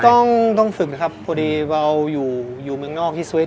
ต้องต้องฝึกนะครับพอดีเราอยู่เมืองนอกที่สวิตช